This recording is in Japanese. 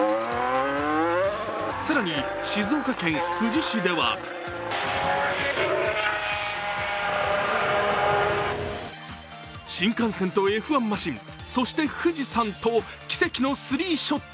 更に、静岡県富士市では新幹線とＦ１マシン、そして富士山と奇跡のスリーショット。